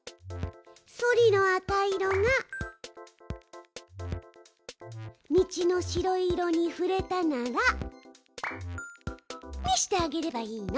ソリの赤色が道の白色に触れたならにしてあげればいいの。